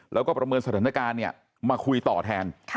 แล้วก็ประเมินสถานการณ์มาคุยต่อแทน